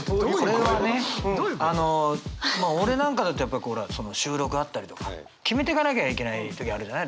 これはねあのまあ俺なんかだとやっぱこう収録あったりとか決めていかなきゃいけない時あるじゃない？